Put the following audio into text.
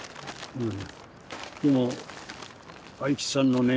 うん。